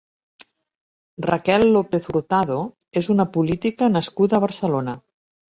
Raquel López Hurtado és una política nascuda a Barcelona.